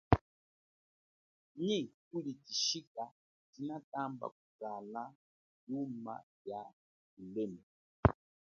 Nyi kuli chishika chinatela kuzala yuma ya kulema.